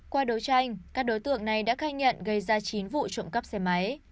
qua đấu tranh các đối tượng này đã khai nhận gây ra chín vụ trộm cắp xe máy